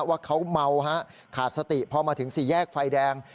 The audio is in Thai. ว่าเขาเมาฮะขาดสติพอมาถึงสี่แยกไฟแดง